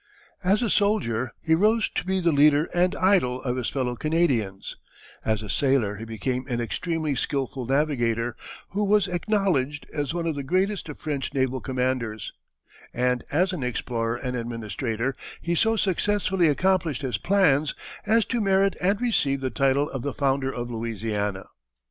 As a soldier he rose to be the leader and idol of his fellow Canadians; as a sailor he became an extremely skilful navigator, who was acknowledged as one of the greatest of French naval commanders; and as an explorer and administrator he so successfully accomplished his plans as to merit and receive the title of the Founder of Louisiana.